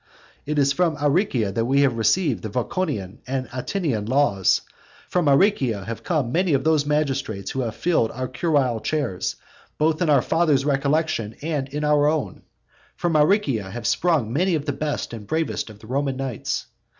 It is from Aricia that we have received the Voconian and Atinian laws; from Aricia have come many of those magistrates who have filled our curule chairs, both in our fathers' recollection and in our own; from Aricia have sprung many of the best and bravest of the Roman knights.